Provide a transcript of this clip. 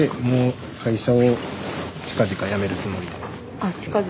あっ近々。